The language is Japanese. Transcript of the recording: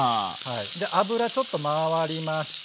で脂ちょっと回りました。